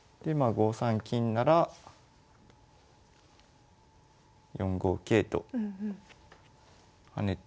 ５三金なら４五桂と跳ねて。